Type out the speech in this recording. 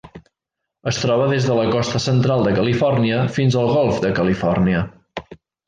Es troba des de la costa central de Califòrnia fins al Golf de Califòrnia.